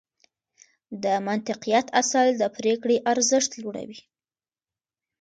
د منطقيت اصل د پرېکړې ارزښت لوړوي.